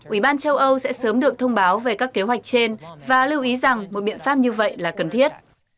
ủy ban châu âu sẽ sớm được thông báo về các kế hoạch trên và lưu ý rằng một biện pháp như vậy là cần thiết